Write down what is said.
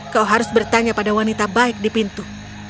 kau harus bertanya pada wanita baik di pintu